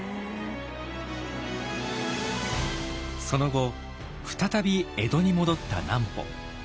その後再び江戸に戻った南畝。